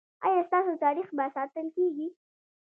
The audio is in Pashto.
ایا ستاسو تاریخ به ساتل کیږي؟